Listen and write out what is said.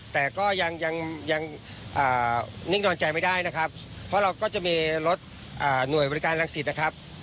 แต่ก็ยังยังนิ่งนอนใจไม่ได้นะครับเพราะเราก็จะมีรถหน่วยบริการรังสิตนะครับ